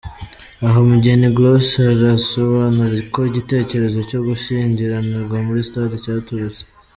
Aha umugeni Glauce arasobanura uko igitekerezo cyo gushyingiranirwa mu stade cyaturutse.